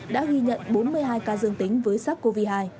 đã ghi nhận bốn mươi hai ca dương tính với sars cov hai